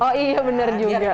oh iya bener juga